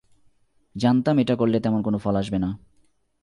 জানতাম এটা করলে তেমন কোন ফল আসবে না।